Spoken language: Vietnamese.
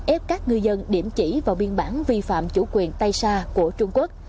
ép các ngư dân điểm chỉ vào biên bản vi phạm chủ quyền tây sa của trung quốc